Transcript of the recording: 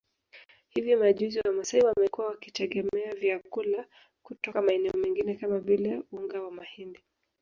Hivi majuzi Wamasai wamekuwa wakitegemea vyakula kutoka maeneo mengine kama vile unga wa mahindi